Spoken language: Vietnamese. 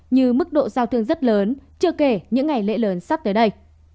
như mức độ giao thương rất lớn chưa kể những ngày lễ lớn sắp tới đây